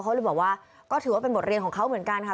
เขาเลยบอกว่าก็ถือว่าเป็นบทเรียนของเขาเหมือนกันค่ะ